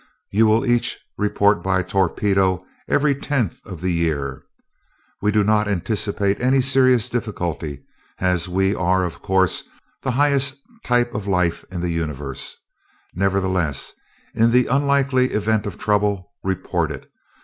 You will each report by torpedo every tenth of the year. We do not anticipate any serious difficulty, as we are of course the highest type of life in the Universe; nevertheless, in the unlikely event of trouble, report it.